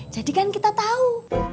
jadi kan kita tau